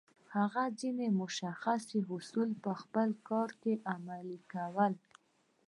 هغه ځينې مشخص اصول په خپل کار کې عملي کړل.